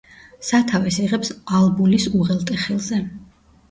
სათავეს იღებს ალბულის უღელტეხილზე.